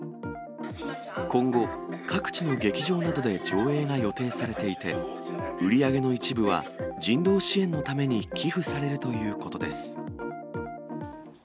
今後、各地の劇場などで上映が予定されていて、売り上げの一部は人道支援のために寄付されるということです。